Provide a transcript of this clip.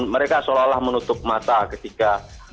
mereka seolah olah menutup mata ketika